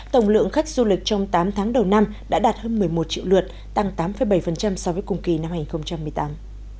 tổng lượng khách du lịch trong tám tháng đầu năm đã đạt hơn một mươi một triệu lượt tăng tám bảy so với cùng kỳ năm hai nghìn một mươi tám